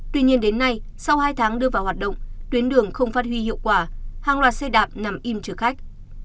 tuy nhiên đến nay sau hai tháng đưa vào hoạt động tuyến đường không phát huy hiệu quả hàng loạt xe đạp nằm im chở khách